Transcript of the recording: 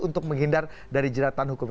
untuk menghindar dari jeratan hukum